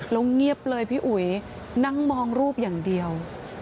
แล้วเงียบเลยพี่อุ๋ยนั่งมองรูปอย่างเดียว